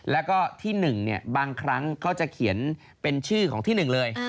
แล้วก็ที่๑บางครั้งเขาจะเขียนเป็นชื่อของที่๑เลย